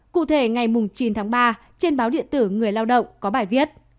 cụ thể ngày chín tháng ba trên báo điện tử người lao động có bài viết